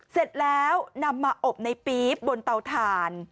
เสร็จแล้วนำมาอบในปี๊บบนเตาถ่าน